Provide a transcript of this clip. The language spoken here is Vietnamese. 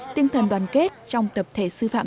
tinh thần đoàn kết trong tập thể sư phạm